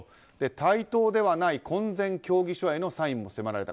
対等ではない婚前協議書へのサインも迫られた。